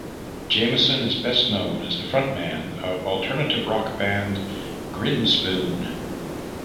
Jamieson is best known as the front man of alternative rock band Grinspoon.